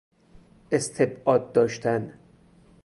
استبعاد داشتن